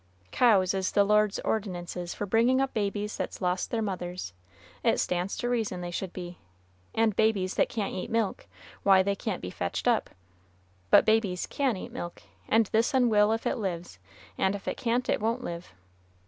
Cows is the Lord's ordinances for bringing up babies that's lost their mothers; it stands to reason they should be, and babies that can't eat milk, why they can't be fetched up; but babies can eat milk, and this un will if it lives, and if it can't it won't live."